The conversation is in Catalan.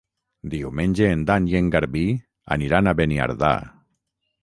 Diumenge en Dan i en Garbí aniran a Beniardà.